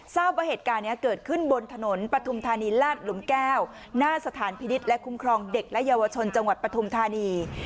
ทราบว่าเหตุการณ์นี้เกิดขึ้นบนถนนปฐุมธานีลาดหลุมแก้วหน้าสถานพินิษฐ์และคุ้มครองเด็กและเยาวชนจังหวัดปฐุมธานี